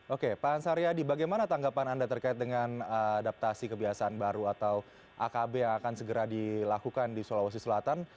oke pak ansaryadi bagaimana tanggapan anda terkait dengan adaptasi kebiasaan baru atau akb yang akan segera dilakukan di sulawesi selatan